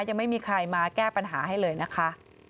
ยังไม่มีใครมาแก้ปัญหาให้เลยนะคะ